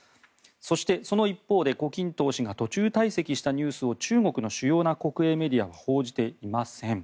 そして、その一方で胡錦涛氏が途中退席したニュースを中国の主要な国営メディアは報じていません。